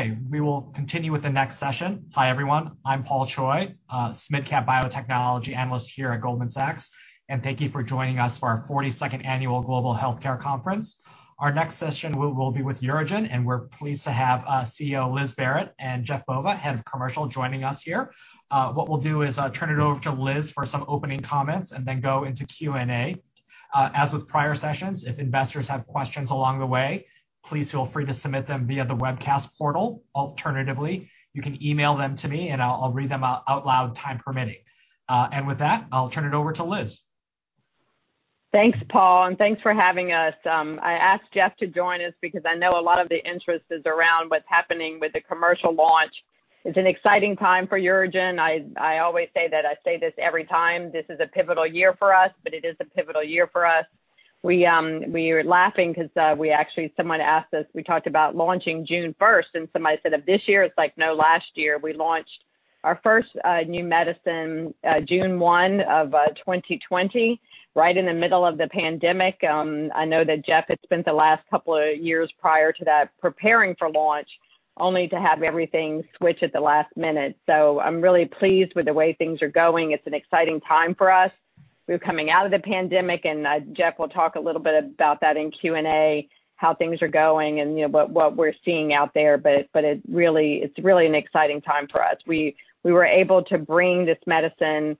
Okay. We will continue with the next session. Hi, everyone. I'm Paul Choi, Mid-Cap Biotechnology Analyst here at Goldman Sachs. Thank you for joining us for our 42nd Annual Global Healthcare Conference. Our next session will be with UroGen. We're pleased to have CEO Liz Barrett and Jeff Bova, Head of Commercial, joining us here. What we'll do is turn it over to Liz for some opening comments and then go into Q&A. As with prior sessions, if investors have questions along the way, please feel free to submit them via the webcast portal. Alternatively, you can email them to me. I'll read them out loud, time permitting. With that, I'll turn it over to Liz. Thanks, Paul, and thanks for having us. I asked Jeff to join us because I know a lot of the interest is around what's happening with the commercial launch. It's an exciting time for UroGen. I always say that I say this every time, this is a pivotal year for us, but it is a pivotal year for us. We were laughing because someone asked us, we talked about launching June 1st, and somebody said, of this year? It's like no, last year. We launched our first new medicine June 1 of 2020, right in the middle of the pandemic. I know that Jeff had spent the last couple of years prior to that preparing for launch, only to have everything switch at the last minute. I'm really pleased with the way things are going. It's an exciting time for us. We're coming out of the pandemic, and Jeff will talk a little bit about that in Q&A, how things are going and what we're seeing out there. It's really an exciting time for us. We were able to bring this medicine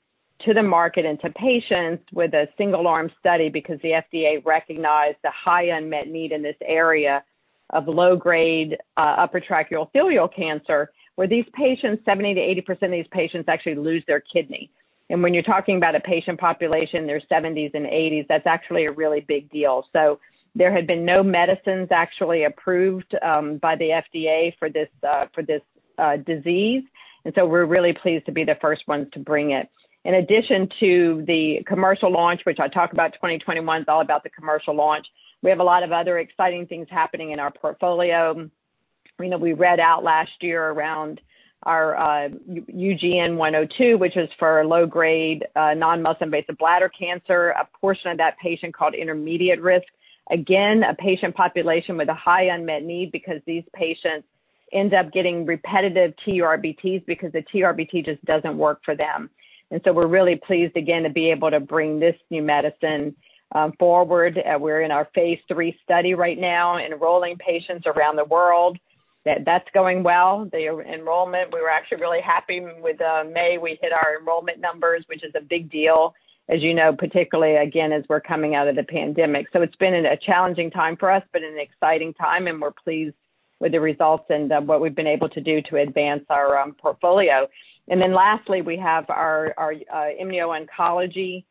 to the market and to patients with a single-arm study because the FDA recognized the high unmet need in this area of low-grade upper tract urothelial cancer, where these patients, 70%-80% of these patients actually lose their kidney. When you're talking about a patient population in their 70s and 80s, that's actually a really big deal. There had been no medicines actually approved by the FDA for this disease, and so we're really pleased to be the first ones to bring it. In addition to the commercial launch, which I talk about 2021 is all about the commercial launch, we have a lot of other exciting things happening in our portfolio. We read out last year around our UGN-102, which is for low-grade non-muscle invasive bladder cancer, a portion of that patient called intermediate risk. Again, a patient population with a high unmet need because these patients end up getting repetitive TURBTs because the TURBT just doesn't work for them. We're really pleased again to be able to bring this new medicine forward. We're in our phase III study right now, enrolling patients around the world. That's going well, the enrollment. We were actually really happy with May. We hit our enrollment numbers, which is a big deal, as you know, particularly again, as we're coming out of the pandemic. It's been a challenging time for us, but an exciting time, and we're pleased with the results and what we've been able to do to advance our portfolio. Lastly, we have our immuno-oncology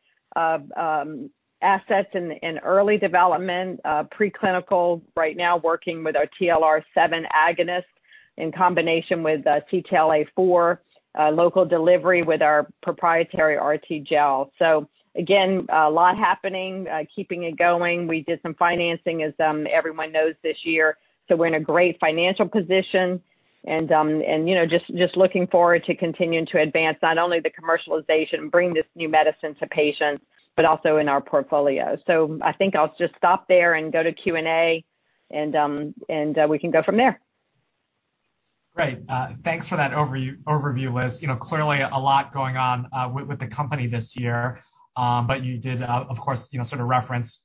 assets in early development, preclinical right now, working with our TLR7 agonist in combination with CTLA-4, local delivery with our proprietary RTGel. Again, a lot happening, keeping it going. We did some financing, as everyone knows, this year. We're in a great financial position and just looking forward to continuing to advance not only the commercialization, bring this new medicine to patients, but also in our portfolio. I think I'll just stop there and go to Q&A, and we can go from there. Great. Thanks for that overview, Liz. A lot going on with the company this year. You did, of course, sort of reference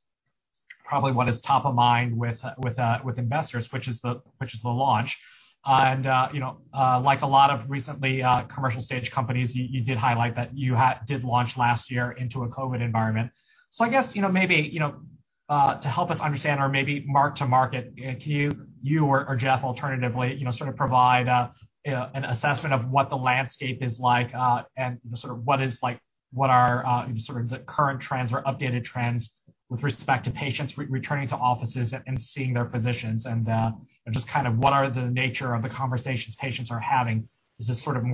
probably what is top of mind with investors, which is the launch. Like a lot of recently commercial-stage companies, you did highlight that you did launch last year into a COVID environment. I guess maybe to help us understand or maybe mark to market, can you or Jeff alternatively sort of provide an assessment of what the landscape is like and sort of what are the current trends or updated trends with respect to patients returning to offices and seeing their physicians? And just kind of what are the nature of the conversations patients are having? Maybe just sort of an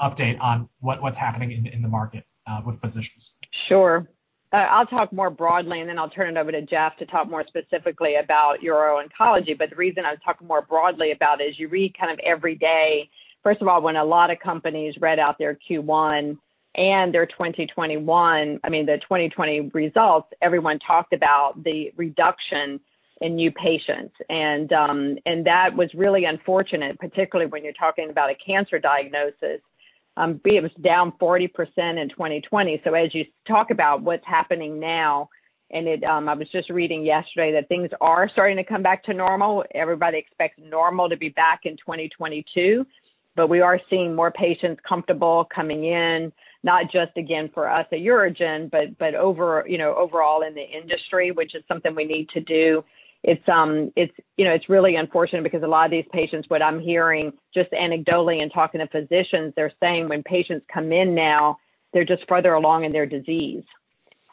update on what's happening in the market with physicians. Sure. I'll talk more broadly, and then I'll turn it over to Jeff to talk more specifically about uro-oncology. The reason I was talking more broadly about it is you read kind of every day. First of all, when a lot of companies read out their Q1 and their 2021, I mean, the 2020 results, everyone talked about the reduction in new patients. That was really unfortunate, particularly when you're talking about a cancer diagnosis. It was down 40% in 2020. As you talk about what's happening now, and I was just reading yesterday that things are starting to come back to normal. Everybody expects normal to be back in 2022, but we are seeing more patients comfortable coming in, not just, again, for us at UroGen, but overall in the industry, which is something we need to do. It's really unfortunate because a lot of these patients, what I'm hearing just anecdotally in talking to physicians, they're saying when patients come in now, they're just further along in their disease.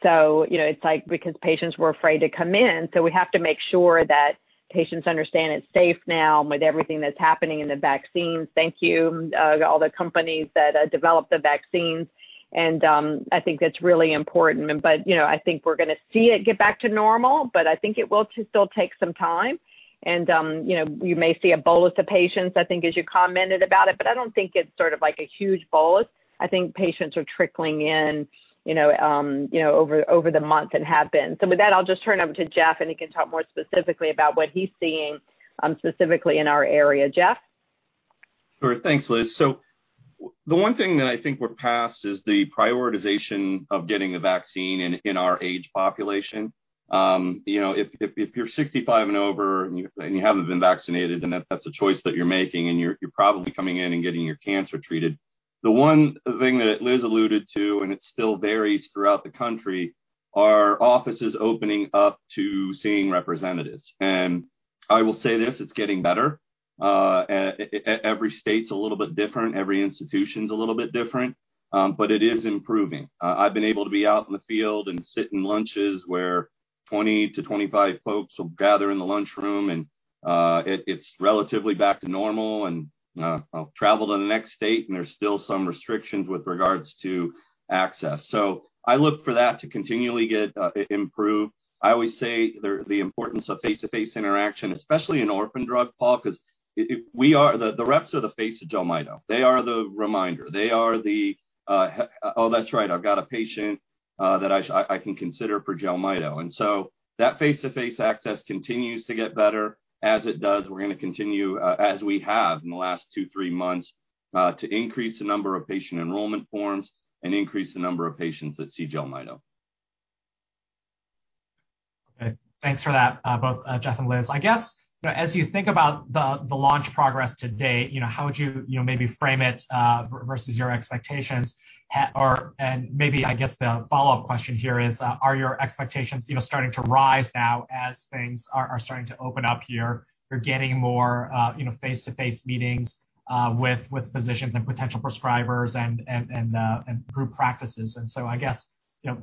It's like because patients were afraid to come in, we have to make sure that patients understand it's safe now with everything that's happening in the vaccines. Thank you to all the companies that developed the vaccines. I think that's really important. I think we're going to see it get back to normal, but I think it will still take some time. You may see a bolus of patients, I think, as you commented about it, but I don't think it's sort of like a huge bolus. I think patients are trickling in over the month and have been. With that, I'll just turn it over to Jeff, and he can talk more specifically about what he's seeing specifically in our area. Jeff? Sure. Thanks, Liz. The one thing that I think we're past is the prioritization of getting a vaccine in our age population. If you're 65 and over and you haven't been vaccinated, that's a choice that you're making, and you're probably coming in and getting your cancer treated. The one thing that Liz alluded to, and it still varies throughout the country, are offices opening up to seeing representatives. I will say this, it's getting better. Every state's a little bit different, every institution's a little bit different, but it is improving. I've been able to be out in the field and sit in lunches where 20 to 25 folks will gather in the lunchroom, and it's relatively back to normal. I'll travel to the next state, and there's still some restrictions with regards to access. I look for that to continually improve. I always say the importance of face-to-face interaction, especially in orphan drug, Paul, because the reps are the face of JELMYTO. They are the reminder. They are the, oh, that's right, I've got a patient that I can consider for JELMYTO. That face-to-face access continues to get better. As it does, we're going to continue, as we have in the last two, three months, to increase the number of patient enrollment forms and increase the number of patients that see JELMYTO. Okay, thanks for that, both Jeff and Liz. I guess, as you think about the launch progress to date, how would you maybe frame it versus your expectations? Maybe I guess the follow-up question here is, are your expectations starting to rise now as things are starting to open up here? You're getting more face-to-face meetings with physicians and potential prescribers and group practices. I guess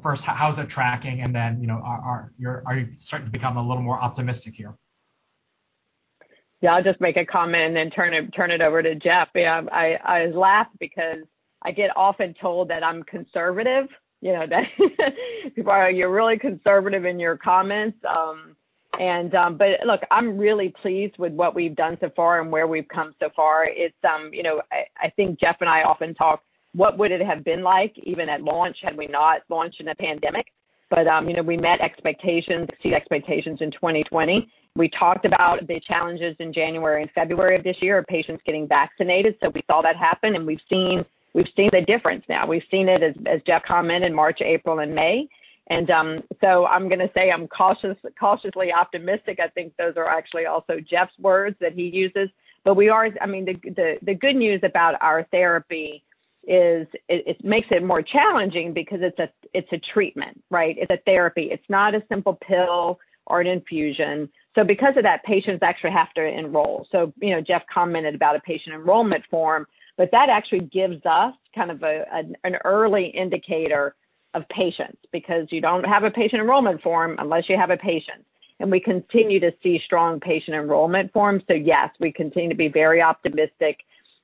first, how's it tracking, and then are you starting to become a little more optimistic here? Yeah, I'll just make a comment and then turn it over to Jeff. I laugh because I get often told that I'm conservative. You're really conservative in your comments. Look, I'm really pleased with what we've done so far and where we've come so far. I think Jeff and I often talk, what would it have been like, even at launch, had we not launched in a pandemic? We met expectations, exceed expectations in 2020. We talked about the challenges in January and February of this year of patients getting vaccinated. We saw that happen, and we've seen the difference now. We've seen it, as Jeff commented, March, April, and May. I'm going to say I'm cautiously optimistic. I think those are actually also Jeff's words that he uses. The good news about our therapy is it makes it more challenging because it's a treatment, right? It's a therapy. It's not a simple pill or an infusion. Because of that, patients actually have to enroll. Jeff Bova commented about a patient enrollment form, that actually gives us kind of an early indicator of patients, because you don't have a patient enrollment form unless you have a patient. We continue to see strong patient enrollment forms. Yes, we continue to be very optimistic,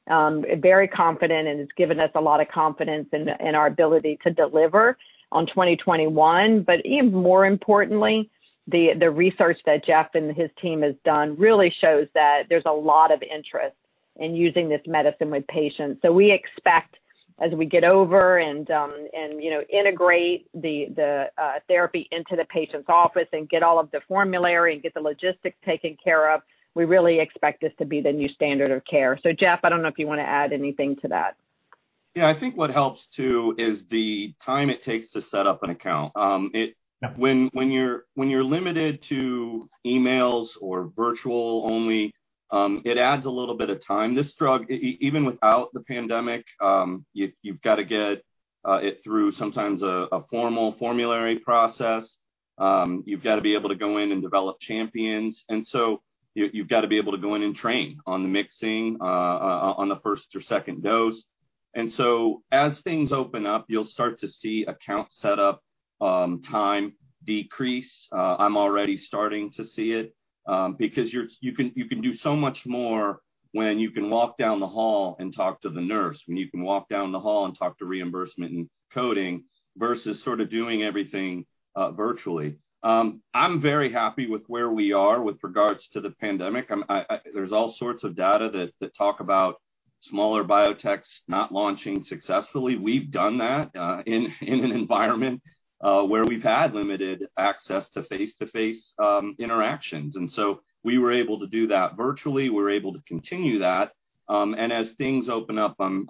very confident, and it's given us a lot of confidence in our ability to deliver on 2021. Even more importantly, the research that Jeff Bova and his team has done really shows that there's a lot of interest in using this medicine with patients. We expect as we get over and integrate the therapy into the patient's office and get all of the formulary and get the logistics taken care of, we really expect this to be the new standard of care. Jeff, I don't know if you want to add anything to that. Yeah, I think what helps too is the time it takes to set up an account. When you're limited to emails or virtual only, it adds a little bit of time. This drug, even without the pandemic, you've got to get it through sometimes a formal formulary process. You've got to be able to go in and develop champions. You've got to be able to go in and train on the mixing on the first or second dose. As things open up, you'll start to see account setup time decrease. I'm already starting to see it because you can do so much more when you can walk down the hall and talk to the nurse, when you can walk down the hall and talk to reimbursement and coding versus sort of doing everything virtually. I'm very happy with where we are with regards to the pandemic. There's all sorts of data that talk about smaller biotechs not launching successfully. We've done that in an environment where we've had limited access to face-to-face interactions. We were able to do that virtually. We're able to continue that. As things open up, I'm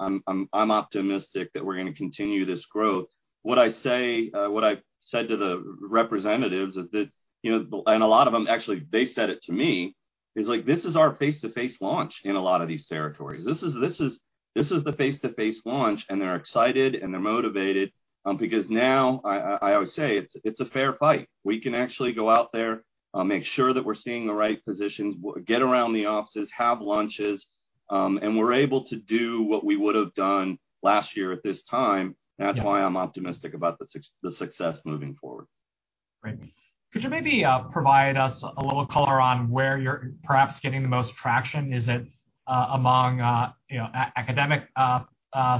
optimistic that we're going to continue this growth. What I said to the representatives is that, and a lot of them, actually, they said it to me, is like, this is our face-to-face launch in a lot of these territories. This is the face-to-face launch, and they're excited, and they're motivated because now I always say it's a fair fight. We can actually go out there, make sure that we're seeing the right physicians, get around the offices, have lunches, and we're able to do what we would've done last year at this time. Yeah. That's why I'm optimistic about the success moving forward. Great. Could you maybe provide us a little color on where you're perhaps getting the most traction? Is it among academic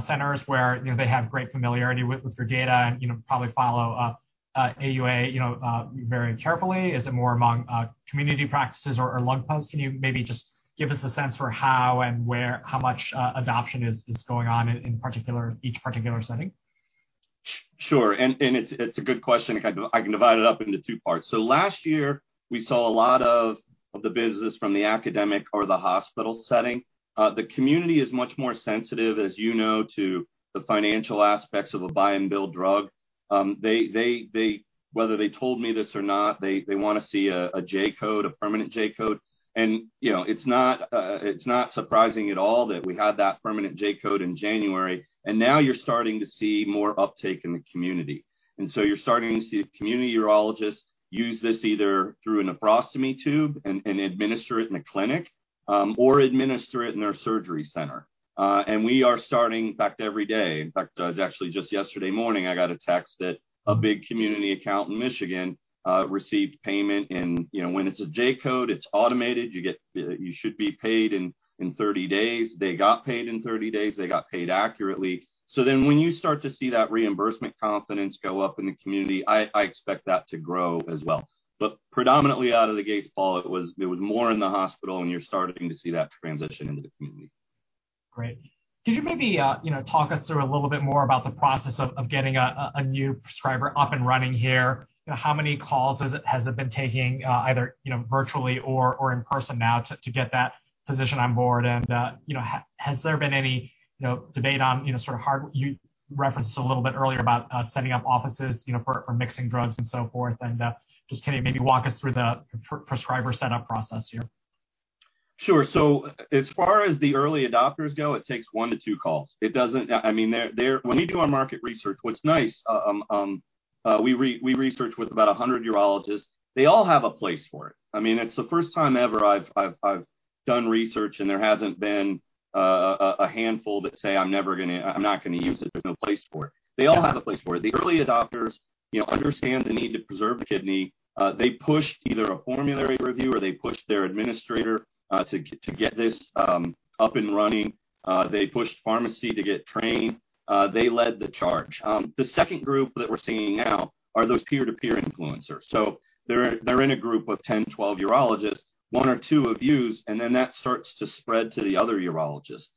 centers where they have great familiarity with your data and probably follow AUA very carefully? Is it more among community practices or LUGPA? Can you maybe just give us a sense for how and where, how much adoption is going on in each particular setting? Sure. It's a good question. I can divide it up into two parts. Last year we saw a lot of the business from the academic or the hospital setting. The community is much more sensitive, as you know, to the financial aspects of a buy and bill drug. Whether they told me this or not, they want to see a J-code, a permanent J-code. It's not surprising at all that we had that permanent J-code in January. Now you're starting to see more uptake in the community. You're starting to see community urologists use this either through a nephrostomy tube and administer it in a clinic or administer it in their surgery center. We are starting, in fact, every day. In fact, actually just yesterday morning, I got a text that a big community account in Michigan received payment. When it's a J-code, it's automated. You should be paid in 30 days. They got paid in 30 days. They got paid accurately. When you start to see that reimbursement confidence go up in the community, I expect that to grow as well. Predominantly out of the gates, Paul, it was more in the hospital, and you're starting to see that transition into the community. Great. Can you maybe talk us through a little bit more about the process of getting a new prescriber up and running here? How many calls has it been taking, either virtually or in person now to get that physician on board? Has there been any debate on sort of hard... You referenced a little bit earlier about setting up offices for mixing drugs and so forth. Can you maybe walk us through the prescriber setup process here? Sure. As far as the early adopters go, it takes one to two calls. When we do our market research, what's nice, we research with about 100 urologists. They all have a place for it. It's the first time ever I've done research, and there hasn't been a handful that say, I'm not going to use it. There's no place for it. They all have a place for it. The early adopters understand the need to preserve kidney. They pushed either a formulary review, or they pushed their administrator to get this up and running. They pushed pharmacy to get trained. They led the charge. The second group that we're seeing now are those peer-to-peer influencers. They're in a group of 10, 12 urologists, one or two have used, and then that starts to spread to the other urologists.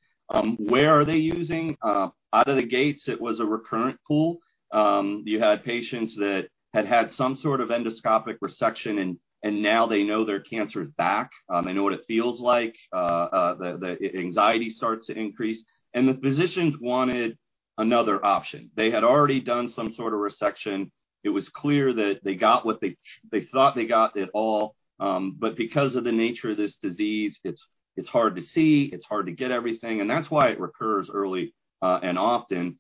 Where are they using? Out of the gates, it was a recurrent pool. You had patients that had had some sort of endoscopic resection, and now they know their cancer's back. They know what it feels like. The anxiety starts to increase, and the physicians wanted another option. They had already done some sort of resection. It was clear that they thought they got it all. Because of the nature of this disease, it's hard to see, it's hard to get everything, and that's why it recurs early and often.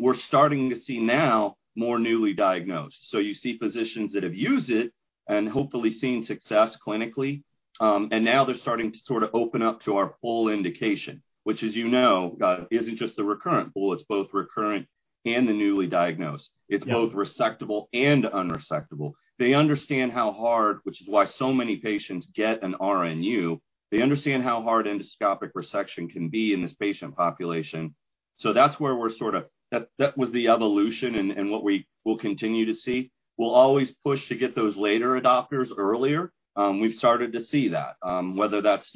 We're starting to see now more newly diagnosed. You see physicians that have used it and hopefully seen success clinically. Now they're starting to sort of open up to our full indication, which, as you know, isn't just the recurrent pool. It's both recurrent and the newly diagnosed. It's both resectable and unresectable. They understand how hard, which is why so many patients get an RNU. They understand how hard endoscopic resection can be in this patient population. That was the evolution and what we will continue to see. We'll always push to get those later adopters earlier. We've started to see that, whether that's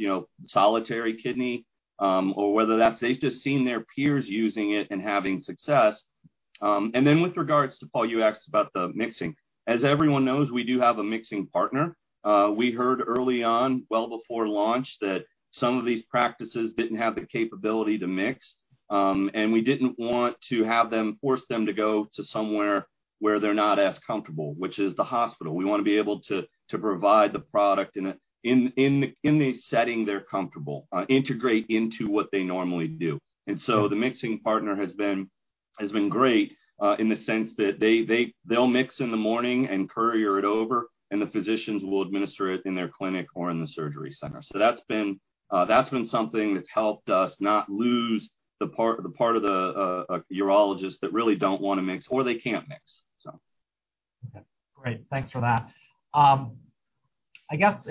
solitary kidney or whether that's they've just seen their peers using it and having success. With regards to, Paul, you asked about the mixing. As everyone knows, we do have a mixing partner. We heard early on, well before launch, that some of these practices didn't have the capability to mix. We didn't want to force them to go to somewhere where they're not as comfortable, which is the hospital. We want to be able to provide the product in a setting they're comfortable, integrate into what they normally do. The mixing partner has been great in the sense that they'll mix in the morning and courier it over, and the physicians will administer it in their clinic or in the surgery center. That's been something that's helped us not lose the part of the urologists that really don't want to mix or they can't mix. Okay, great. Thanks for that. I guess,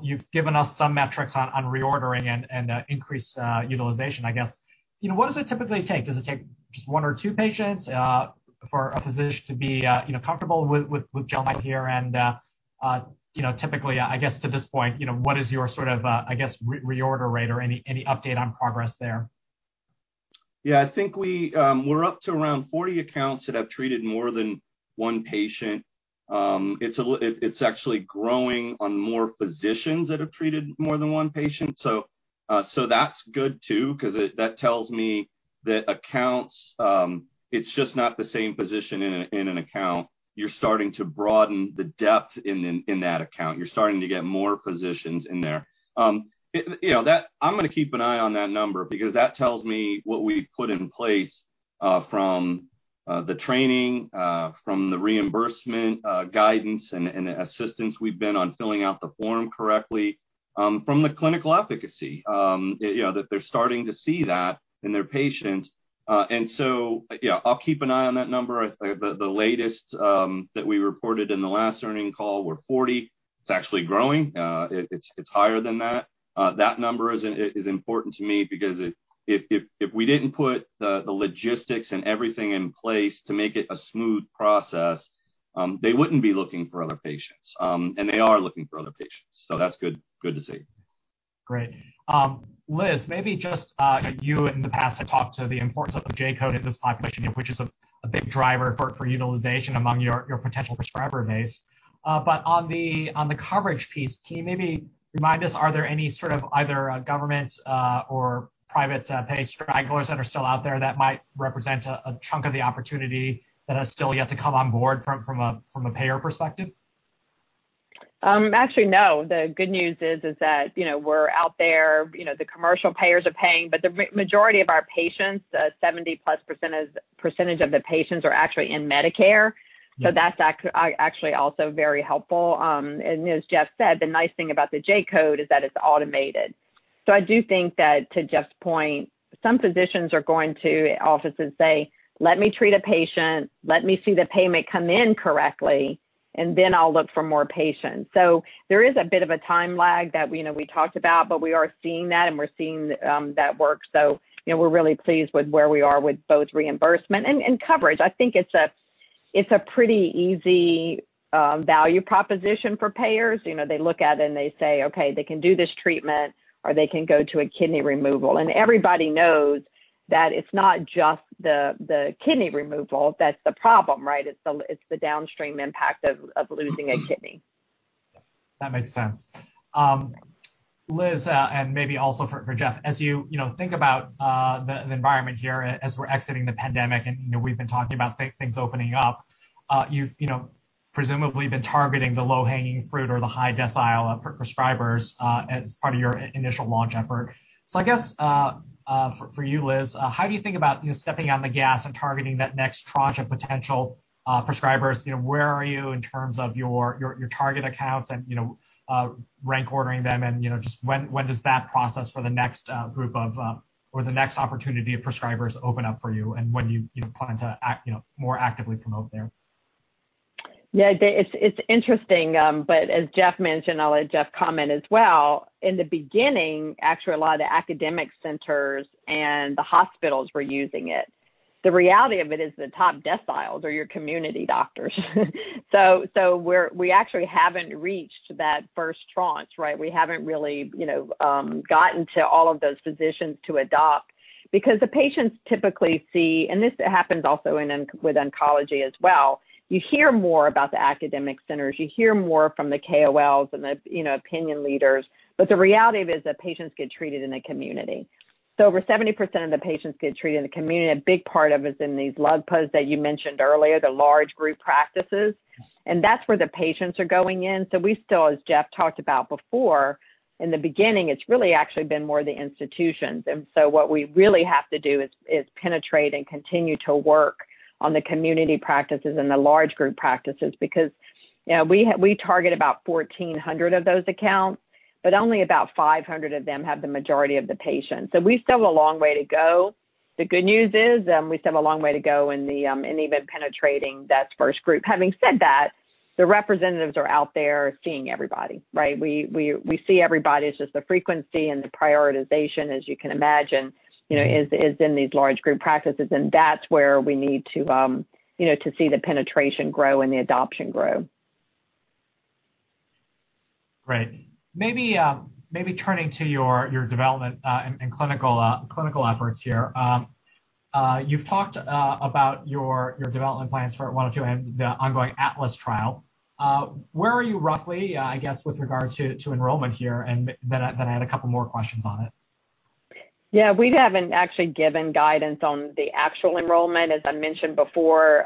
you've given us some metrics on reordering and increased utilization, I guess. What does it typically take? Does it take just one or two patients for a physician to be comfortable with JELMYTO and typically, I guess, to this point, what is your sort of, I guess, reorder rate or any update on progress there? Yeah, I think we're up to around 40 accounts that have treated more than one patient. It's actually growing on more physicians that have treated more than one patient. That's good too, because that tells me that accounts, it's just not the same physician in an account. You're starting to broaden the depth in that account. You're starting to get more physicians in there. I'm going to keep an eye on that number because that tells me what we've put in place from the training, from the reimbursement guidance and assistance we've been on filling out the form correctly, from the clinical efficacy, that they're starting to see that in their patients. Yeah, I'll keep an eye on that number. The latest that we reported in the last earnings call were 40. It's actually growing. It's higher than that. That number is important to me because if we didn't put the logistics and everything in place to make it a smooth process, they wouldn't be looking for other patients. They are looking for other patients. That's good to see. Great. Liz, maybe just you in the past have talked to the importance of the J-code in this application, which is a big driver for utilization among your potential prescriber base. On the coverage piece, can you maybe remind us, are there any sort of either government or private pay stakeholders that are still out there that might represent a chunk of the opportunity that has still yet to come on board from a payer perspective? Actually, no. The good news is that we're out there, the commercial payers are paying. The majority of our patients, the 70%+ of the patients are actually in Medicare. That's actually also very helpful. As Jeff said, the nice thing about the J-code is that it's automated. I do think that to Jeff's point, some physicians are going to offices say, let me treat a patient, let me see the payment come in correctly, and then I'll look for more patients. There is a bit of a time lag that we talked about, but we are seeing that, and we're seeing that work. We're really pleased with where we are with both reimbursement and coverage. I think it's a pretty easy value proposition for payers. They look at it and they say, okay, they can do this treatment, or they can go to a kidney removal. Everybody knows that it's not just the kidney removal that's the problem, right? It's the downstream impact of losing a kidney. That makes sense. Liz, maybe also for Jeff, as you think about the environment here as we're exiting the pandemic, and we've been talking about things opening up. You've presumably been targeting the low-hanging fruit or the high decile for prescribers as part of your initial launch effort. I guess for you, Liz, how do you think about stepping on the gas and targeting that next tranche of potential prescribers? Where are you in terms of your target accounts and rank ordering them and just when does that process for the next group of or the next opportunity of prescribers open up for you, and when do you plan to more actively promote there? Yeah, it's interesting, as Jeff mentioned, I'll let Jeff comment as well. In the beginning, actually, a lot of academic centers and the hospitals were using it. The reality of it is the top deciles are your community doctors. We actually haven't reached that first tranche, right? We haven't really gotten to all of those physicians to adopt because the patients typically see, and this happens also with oncology as well, you hear more about the academic centers. You hear more from the KOLs and opinion leaders. The reality of it is that patients get treated in the community. Over 70% of the patients get treated in the community, and a big part of it is in these LUGPA that you mentioned earlier, the large group practices, and that's where the patients are going in. We still, as Jeff talked about before, in the beginning, it's really actually been more the institutions. What we really have to do is penetrate and continue to work on the community practices and the large group practices. We target about 1,400 of those accounts, but only about 500 of them have the majority of the patients. We've still a long way to go. The good news is, we've still a long way to go in even penetrating that first group. Having said that, the representatives are out there seeing everybody, right? We see everybody. It's just the frequency and the prioritization, as you can imagine, is in these large group practices, and that's where we need to see the penetration grow and the adoption grow. Right. Maybe turning to your development and clinical efforts here. You've talked about your development plans for UGN-102 and the ongoing ATLAS trial. Where are you roughly, I guess, with regard to enrollment here? I had a couple more questions on it. Yeah. We haven't actually given guidance on the actual enrollment. As I mentioned before,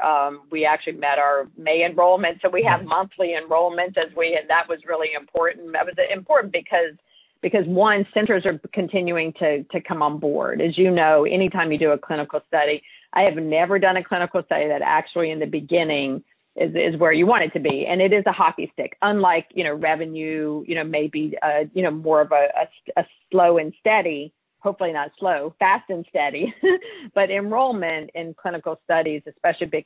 we actually met our May enrollment. We have monthly enrollments as we hit that was really important. That was important because more centers are continuing to come on board. As you know, anytime you do a clinical study, I have never done a clinical study that actually in the beginning is where you want it to be, it is a hockey stick. Unlike revenue, maybe more of a slow and steady, hopefully not slow, fast and steady. Enrollment in clinical studies, especially big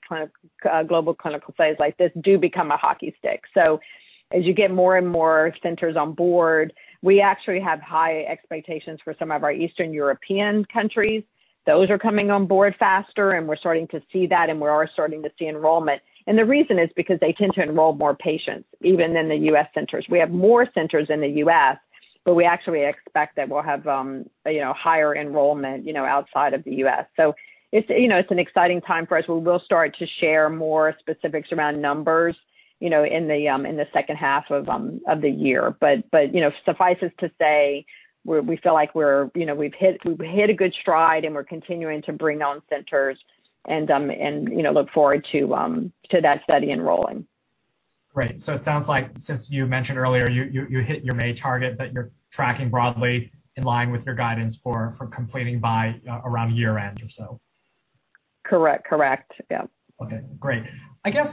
global clinical studies like this, do become a hockey stick. As you get more and more centers on board, we actually have high expectations for some of our Eastern European countries. Those are coming on board faster, and we're starting to see that, and we are starting to see enrollment. The reason is because they tend to enroll more patients, even than the U.S. centers. We have more centers in the U.S., but we actually expect that we'll have higher enrollment outside of the U.S. It's an exciting time for us. We will start to share more specifics around numbers in the second half of the year. Suffices to say, we feel like we've hit a good stride, and we're continuing to bring on centers and look forward to that study enrolling. Great. It sounds like since you mentioned earlier you hit your May target, that you're tracking broadly in line with your guidance for completing by around year-end or so. Correct. Yep. Okay, great. I guess,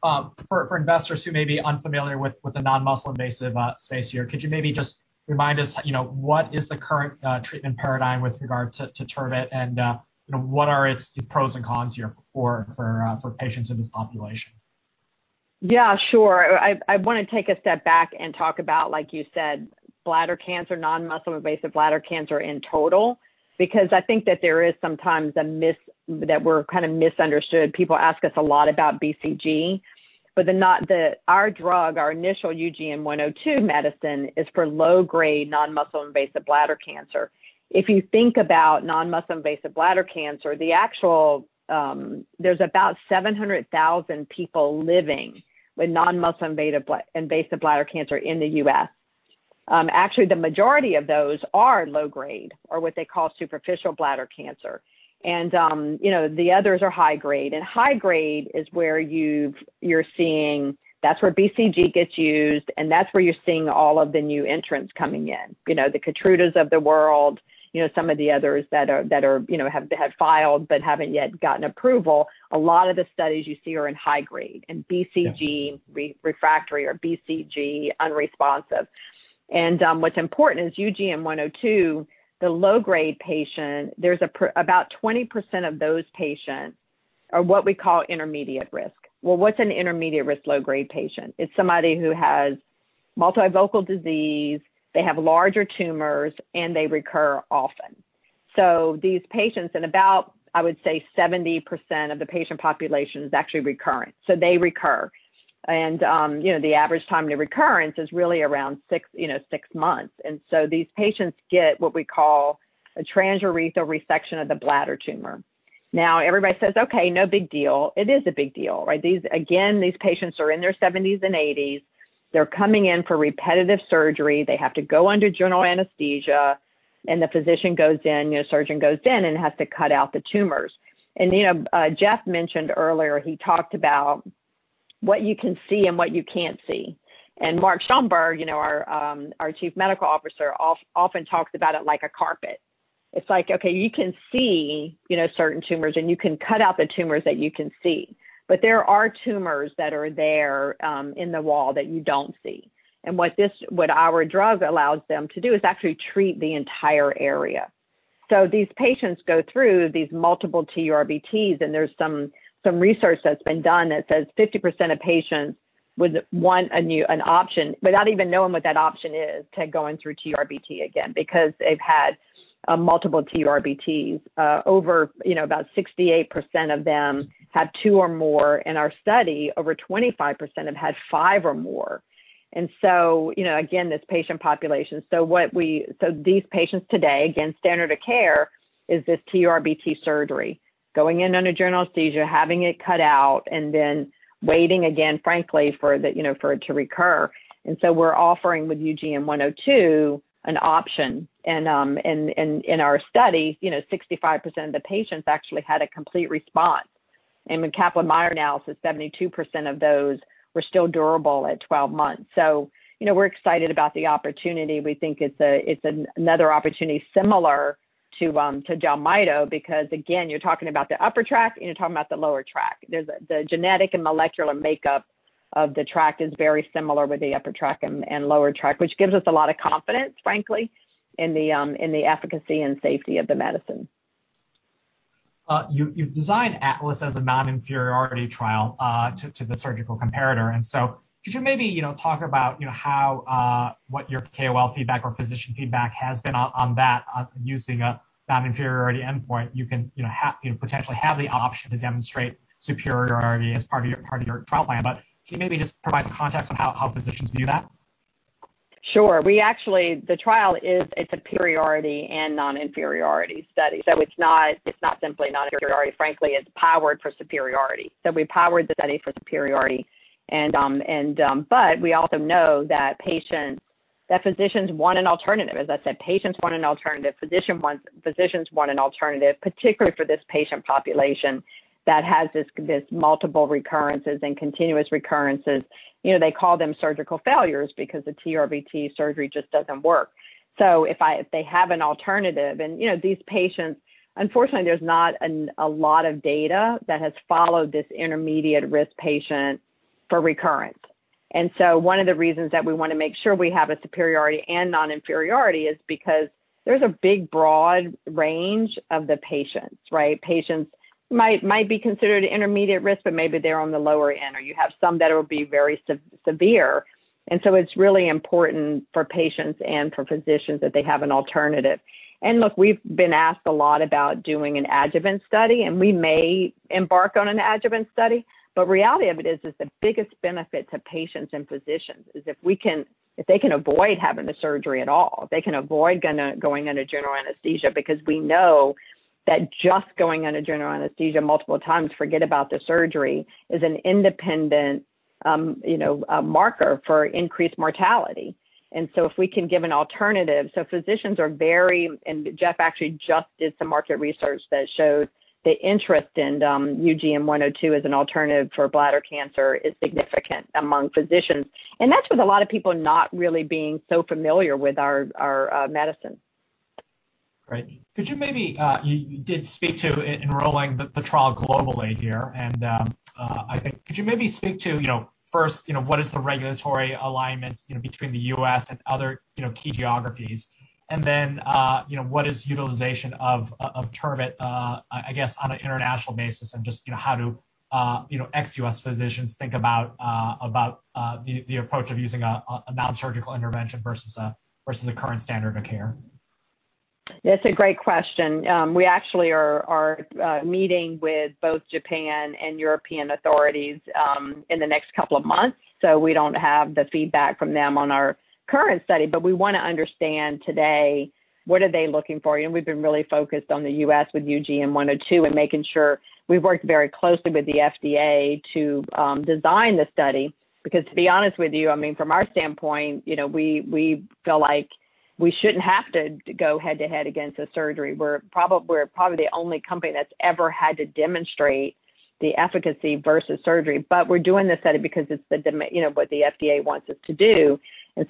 for investors who may be unfamiliar with the non-muscle invasive space here, could you maybe just remind us what is the current treatment paradigm with regard to TURBT and what are its pros and cons here for patients in this population? Yeah, sure. I want to take a step back and talk about, like you said, bladder cancer, non-muscle invasive bladder cancer in total. I think that there is sometimes a myth that we're kind of misunderstood. People ask us a lot about BCG. Our drug, our initial UGN-102 medicine, is for low-grade non-muscle invasive bladder cancer. If you think about non-muscle invasive bladder cancer, there's about 700,000 people living with non-muscle invasive bladder cancer in the U.S. Actually, the majority of those are low grade or what they call superficial bladder cancer. The others are high grade. High grade is where you're seeing. That's where BCG gets used, and that's where you're seeing all of the new entrants coming in. The KEYTRUDA of the world, some of the others that have had files but haven't yet gotten approval. A lot of the studies you see are in high-grade, in BCG refractory or BCG unresponsive. What's important is UGN-102, the low-grade patient, there's about 20% of those patients are what we call intermediate-risk. Well, what's an intermediate-risk low-grade patient? It's somebody who has multifocal disease, they have larger tumors, and they recur often. These patients, and about, I would say, 70% of the patient population is actually recurrent. They recur. The average time to recurrence is really around six months. These patients get what we call a transurethral resection of the bladder tumor. Now everybody says, okay, no big deal. It is a big deal, right? Again, these patients are in their 70s and 80s. They're coming in for repetitive surgery. They have to go under general anesthesia, and the physician goes in, the surgeon goes in and has to cut out the tumors. Jeff Bova mentioned earlier, he talked about what you can see and what you can't see. Mark Schoenberg, our Chief Medical Officer, often talks about it like a carpet. It's like, okay, you can see certain tumors, and you can cut out the tumors that you can see. There are tumors that are there in the wall that you don't see. What our drug allows them to do is actually treat the entire area. These patients go through these multiple TURBTs, and there's some research that's been done that says 50% of patients would want a new option, but not even knowing what that option is, to going through TURBT again, because they've had multiple TURBTs. Over about 68% of them had two or more in our study. Over 25% have had five or more. Again, this patient population. These patients today, again, standard of care is the TURBT surgery, going in under general anesthesia, having it cut out, and then waiting again, frankly, for it to recur. We're offering with UGN-102 an option. In our study, 65% of the patients actually had a complete response. When Kaplan-Meier analysis, 72% of those were still durable at 12 months. We're excited about the opportunity. We think it's another opportunity similar to JELMYTO, because again, you're talking about the upper tract, and you're talking about the lower tract. The genetic and molecular makeup of the tract is very similar with the upper tract and lower tract, which gives us a lot of confidence, frankly, in the efficacy and safety of the medicine. You've designed ATLAS as a non-inferiority trial to the surgical comparator. Could you maybe talk about what your KOL feedback or physician feedback has been on that, using a non-inferiority endpoint, you potentially have the option to demonstrate superiority as part of your trial plan. Can you maybe just provide some context on how physicians view that? Sure. The trial is a superiority and non-inferiority study. It's not simply non-inferiority. Frankly, it's powered for superiority. We powered the study for superiority. We also know that physicians want an alternative. As I said, patients want an alternative, physicians want an alternative, particularly for this patient population that has these multiple recurrences and continuous recurrences. They call them surgical failures because the TURBT surgery just doesn't work. If they have an alternative, and these patients, unfortunately, there's not a lot of data that has followed this intermediate-risk patient for recurrence. One of the reasons that we want to make sure we have a superiority and non-inferiority is because there's a big, broad range of the patients, right? Patients might be considered intermediate-risk, but maybe they're on the lower end, or you have some that'll be very severe. It's really important for patients and for physicians that they have an alternative. Look, we've been asked a lot about doing an adjuvant study, and we may embark on an adjuvant study. The reality of it is the biggest benefit to patients and physicians is if they can avoid having the surgery at all. They can avoid going under general anesthesia because we know that just going under general anesthesia multiple times, forget about the surgery, is an independent marker for increased mortality. If we can give an alternative, so physicians are very. Jeff actually just did some market research that shows the interest in UGN-102 as an alternative for bladder cancer is significant among physicians. That's with a lot of people not really being so familiar with our medicine. Great. You did speak to enrolling the trial globally here. Could you maybe speak to, first, what is the regulatory alignments between the U.S. and other key geographies? What is utilization of TURBT, I guess, on an international basis, and just how do ex-U.S. physicians think about the approach of using a non-surgical intervention versus the current standard of care? That's a great question. We actually are meeting with both Japan and European authorities in the next couple of months, we don't have the feedback from them on our current study. We want to understand today what are they looking for. We've been really focused on the U.S. with UGN-102 and making sure we've worked very closely with the FDA to design the study. To be honest with you, from our standpoint, we feel like we shouldn't have to go head-to-head against the surgery. We're probably the only company that's ever had to demonstrate the efficacy versus surgery. We're doing this study because it's what the FDA wants us to do,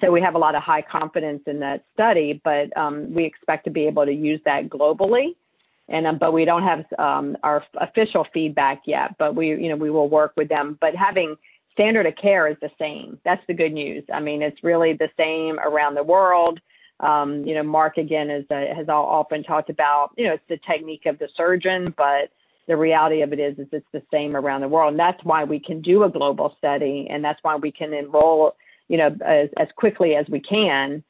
we have a lot of high confidence in that study. We expect to be able to use that globally. We don't have our official feedback yet, but we will work with them. Having standard of care is the same. That's the good news. It's really the same around the world. Mark, again, has often talked about it's the technique of the surgeon, but the reality of it is it's the same around the world, and that's why we can do a global study, and that's why we can enroll as quickly as we can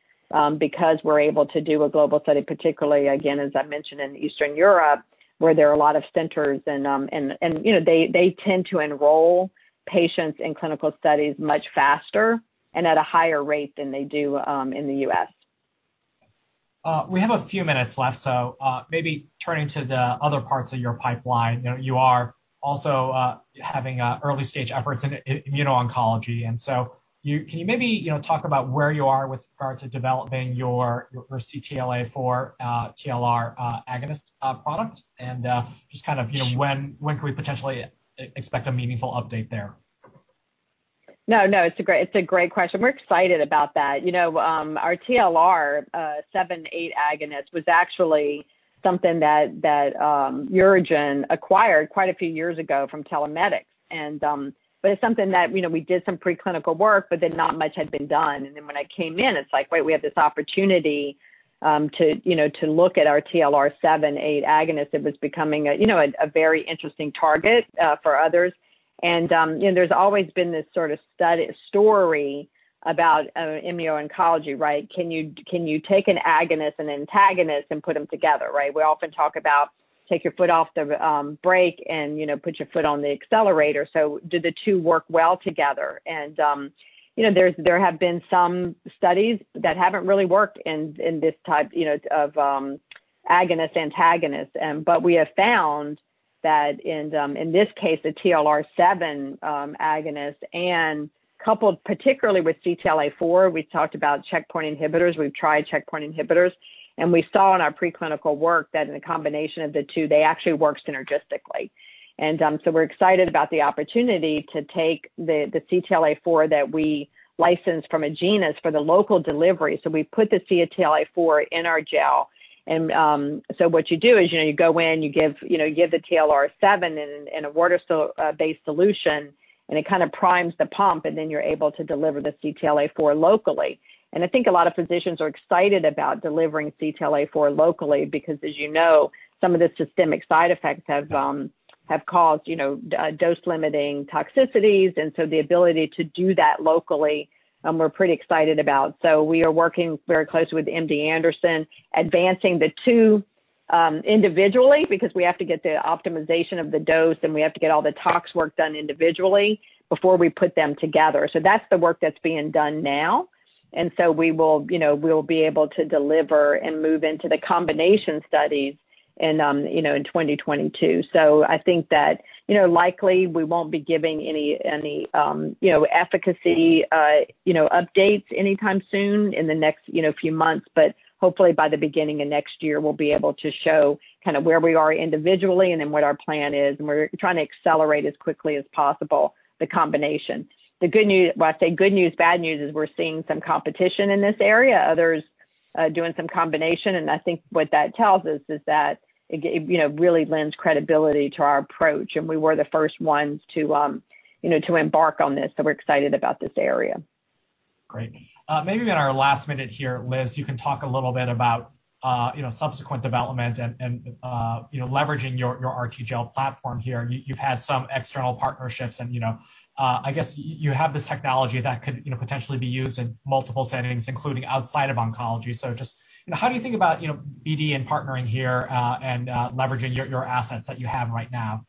because we're able to do a global study, particularly, again, as I mentioned in Eastern Europe, where there are a lot of centers. They tend to enroll patients in clinical studies much faster and at a higher rate than they do in the U.S. We have a few minutes left. Maybe turning to the other parts of your pipeline. You are also having early-stage efforts in immuno-oncology. Can you maybe talk about where you are with regard to developing your CTLA-4 TLR agonist product and just when could we potentially expect a meaningful update there? No, it's a great question. We're excited about that. Our TLR7/8 agonist was actually something that UroGen acquired quite a few years ago from Telormedix. It's something that we did some pre-clinical work, not much had been done. When I came in, it's like, wait, we have this opportunity to look at our TLR7/8 agonist that was becoming a very interesting target for others. There's always been this sort of story about immuno-oncology, right? Can you take an agonist, an antagonist, and put them together, right? We often talk about take your foot off the brake and put your foot on the accelerator. Do the two work well together? There have been some studies that haven't really worked in this type of agonist/antagonist. We have found that in this case, the TLR7 agonist and coupled particularly with CTLA-4, we've talked about checkpoint inhibitors. We've tried checkpoint inhibitors, and we saw in our pre-clinical work that in the combination of the two, they actually work synergistically. We're excited about the opportunity to take the CTLA-4 that we licensed from Agenus for the local delivery. We put the CTLA-4 in our gel, and so what you do is you go in, you give the TLR7 in a water-based solution, and it kind of primes the pump, and then you're able to deliver the CTLA-4 locally. I think a lot of physicians are excited about delivering CTLA-4 locally because as you know, some of the systemic side effects have caused dose-limiting toxicities. The ability to do that locally we're pretty excited about. We are working very closely with MD Anderson, advancing the two individually because we have to get the optimization of the dose, and we have to get all the tox work done individually before we put them together. That's the work that's being done now, and so we'll be able to deliver and move into the combination studies in 2022. I think that likely we won't be giving any efficacy updates anytime soon in the next few months. Hopefully, by the beginning of next year, we'll be able to show where we are individually and then what our plan is, and we're trying to accelerate as quickly as possible the combination. The good news, Well, I say good news, bad news is we're seeing some competition in this area, others doing some combination. I think what that tells us is that it really lends credibility to our approach. We were the first ones to embark on this, so we're excited about this area. Great. Maybe in our last minute here, Liz, you can talk a little bit about subsequent development and leveraging your RTGel platform here. You've had some external partnerships, and I guess you have this technology that could potentially be used in multiple settings, including outside of oncology. Just how do you think about BD and partnering here and leveraging your assets that you have right now?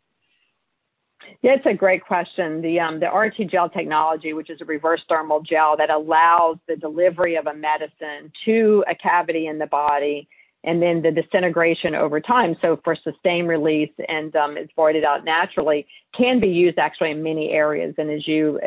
That's a great question. The RTGel technology, which is a reverse thermal gel that allows the delivery of a medicine to a cavity in the body and then the disintegration over time. Of course, sustained release, and it's voided out naturally, can be used actually in many areas. As you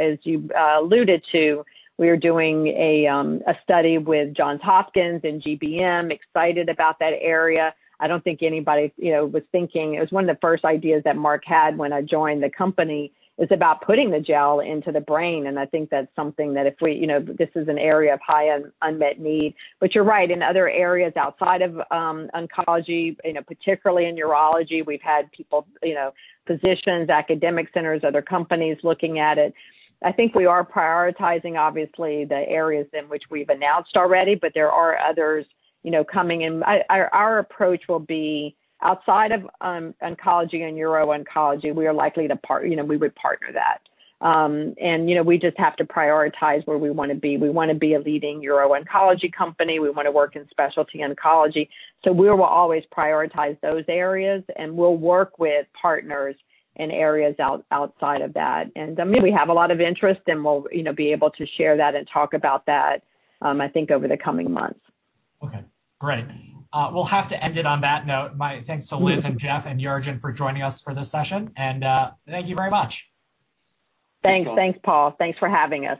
alluded to, we are doing a study with Johns Hopkins in GBM, excited about that area. It was one of the first ideas that Mark had when I joined the company. It's about putting the gel into the brain, and I think that's something that this is an area of high unmet need. You're right, in other areas outside of oncology, particularly in urology, we've had people, physicians, academic centers, other companies looking at it. I think we are prioritizing, obviously, the areas in which we've announced already, but there are others coming in. Our approach will be outside of oncology and uro-oncology, we would partner that. We just have to prioritize where we want to be. We want to be a leading uro-oncology company. We want to work in specialty oncology. We will always prioritize those areas, and we'll work with partners in areas outside of that. Something we have a lot of interest in, we'll be able to share that and talk about that, I think, over the coming months. Okay, great. We'll have to end it on that note. My thanks to Liz and Jeff and UroGen for joining us for this session. Thank you very much. Thanks. Thanks, Paul. Thanks for having us.